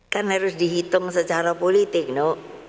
kan harus dihitung secara politik nok